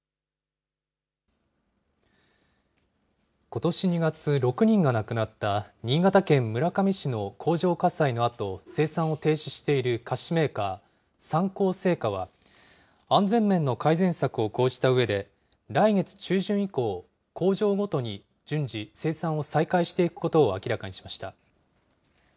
ことし２月、６人が亡くなった新潟県村上市の工場火災のあと、生産を停止している菓子メーカー、三幸製菓は、安全面の改善策を講じたうえで、来月中旬以降、工場ごとに順次、生産を再開していくことを明らかにしました。